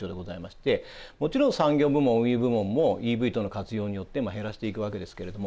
もちろん産業部門運輸部門もＥＶの活用によって減らしていくわけですけれども。